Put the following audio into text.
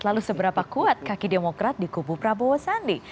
lalu seberapa kuat kaki demokrat di kubu prabowo sandi